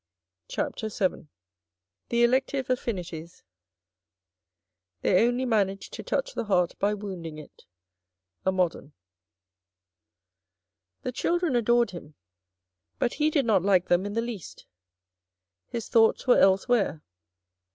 CHAPTER VII THE ELECTIVE AFFINITIES They only manage to touch the heart by wounding it. — A Modern. The children adored him, but he did not like them in the least. His thoughts were elsewhere.